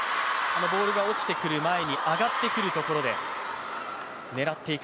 ボールが落ちてくる前に上がってくるところで狙っていく